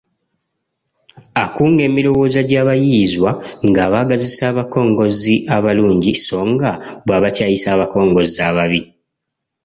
Akunga emirowooza gy’abayiiyizwa ng’abaagazisa abakongozzi abalungi so nga bw’abakyayisa abakongozzi ababi.